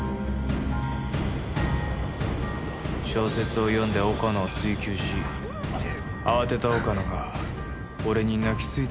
小説を読んで岡野を追及し慌てた岡野が俺に泣きついてきたんです。